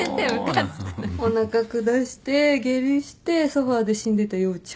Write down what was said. おなかくだして下痢してソファで死んでた陽ちゃん。